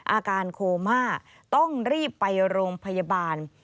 อาการโคม่าต้องรีบไปโรงพยาบาล